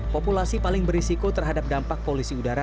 populasi paling berisiko terhadap dampak polusi udara